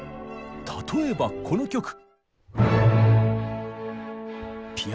例えばこの曲。